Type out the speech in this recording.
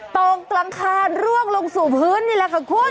ตกกลางคารร่วงลงสู่พื้นนี่แหละค่ะคุณ